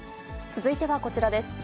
続いてはこちらです。